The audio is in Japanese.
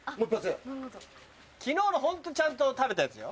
昨日のホントちゃんと食べたやつよ。